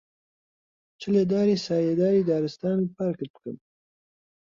چ لە داری سایەداری دارستان و پارکت بکەم،